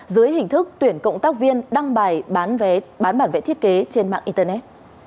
dưới hình thức tuyển cộng tác viên đăng bài bán bản vẽ thiết kế trên mạng internet